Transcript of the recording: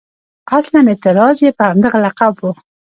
اصلاً اعتراض یې په همدغه لقب و.